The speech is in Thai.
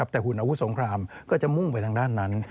แต่หุ่นอาวุธสงครามก็จะมุ่งไปทางด้านนั้น